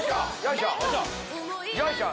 よいしょ！